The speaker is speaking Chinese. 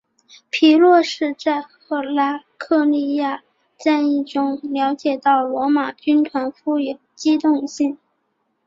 皮洛士在赫拉克利亚战役中了解到罗马军团富有机动性。